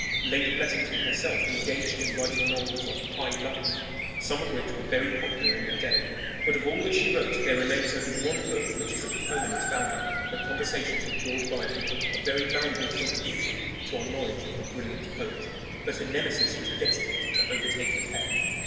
Lady Blessington herself engaged in writing novels of "high life," some of which were very popular in their day. But of all that she wrote there remains only one book which is of permanent value her Conversations with Lord Byron, a very valuable contribution to our knowledge of the brilliant poet. But a nemesis was destined to overtake the pair.